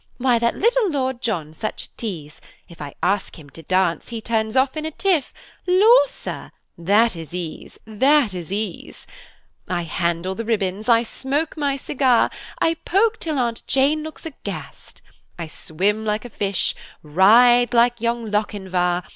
Why that little Lord John's such a tease, If I ask him to dance, he turns off in a tiff, Law, Sir! that is ease! that is ease! "I handle the ribbons! I smoke my cigar! I polk till Aunt Jane looks aghast. I swim like a fish! ride like young Lochinvar!